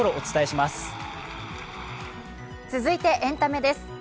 続いてエンタメです。